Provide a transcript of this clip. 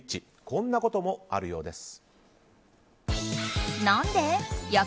こんなこともあるようです。